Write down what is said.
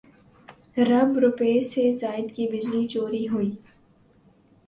رب روپے سے زائد کی بجلی چوری ہوئی